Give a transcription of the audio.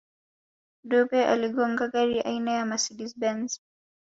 dube aliigonga gari aina ya mercedes benz